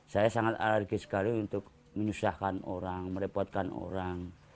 saya sangat alergi sekali untuk menyusahkan orang merepotkan orang